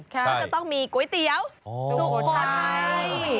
ก็จะต้องมีก๋วยเตี๋ยวสุพร